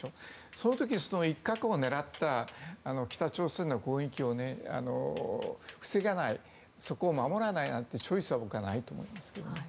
その時に、その一角を狙った北朝鮮の攻撃を防がないそこを守らないなんていうことはないと思います。